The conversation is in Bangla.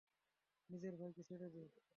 নিজের ভাইকে ছেড়ে দে।